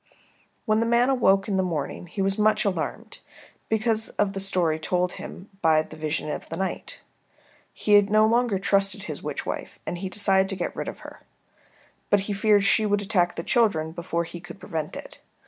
When the man awoke in the morning he was much alarmed because of the story told him by the vision of the night. He no longer trusted his witch wife and he decided to get rid of her. But he feared she would attack the children before he could prevent it.